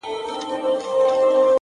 • غزل-عبدالباري جهاني,